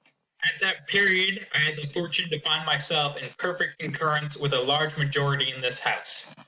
At that period I had the fortune to find myself in perfect concurrence with a large majority in this House.